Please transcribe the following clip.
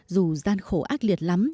dù gian khổ ác liệt lắm